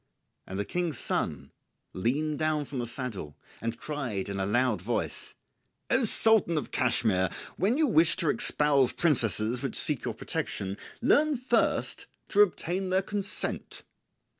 And the King's son leaned down from the saddle and cried in a loud voice, "O Sultan of Cashmire, when you wish to espouse princesses which seek your protection, learn first to obtain their consent."